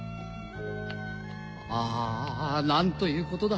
あ何ということだ。